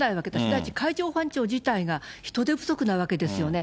第一海上保安庁自体が人手不足なわけですよね。